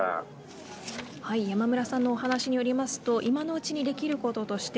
山村さんの話によりますと今のうちにできることとして